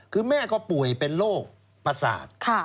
คือแม่ก็ป่วยเป็นโรคประสาท